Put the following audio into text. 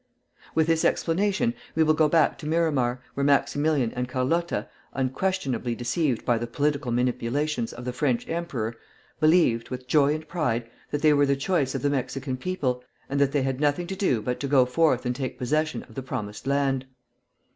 With this explanation we will go back to Miramar, where Maximilian and Carlotta, unquestionably deceived by the political manipulations of the French emperor, believed, with joy and pride, that they were the choice of the Mexican people, and that they had nothing to do but to go forth and take possession of the promised land.